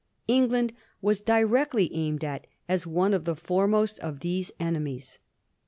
England was directly aimed at as one of the foremost of those enemies.